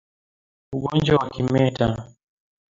Ugonjwa wa kimeta